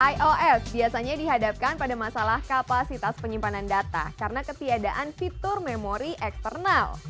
ios biasanya dihadapkan pada masalah kapasitas penyimpanan data karena ketiadaan fitur memori eksternal